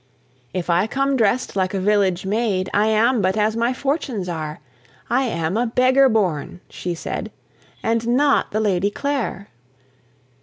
"If I come drest like a village maid, I am but as my fortunes are: I am a beggar born," she said, "And not the Lady Clare."